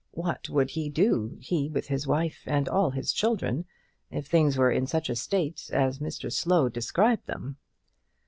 What would he do, he with his wife, and all his children, if things were in such a state as Mr Slow described them?